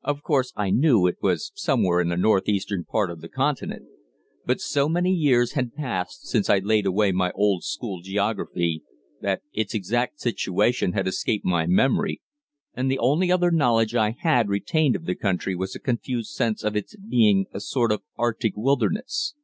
Of course I knew it was somewhere in the north eastern part of the continent; but so many years had passed since I laid away my old school geography that its exact situation had escaped my memory, and the only other knowledge I had retained of the country was a confused sense of its being a sort of Arctic wilderness.